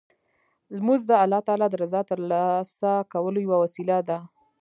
لمونځ د الله تعالی د رضا ترلاسه کولو یوه وسیله ده.